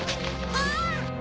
あっ！